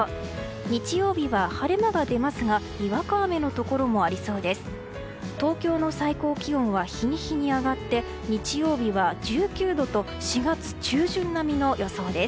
日曜日は晴れ間が出ますがにわか雨のところがありそうです。